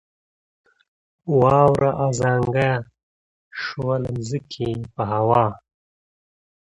واوره ازانګه یې شوه له ځمکې په هوا